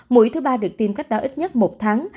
mũi thứ ba được tiêm cách đó ít nhất một tháng